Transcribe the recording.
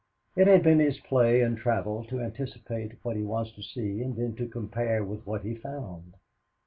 It had been his play in travel to anticipate what he was to see, and then to compare with what he found.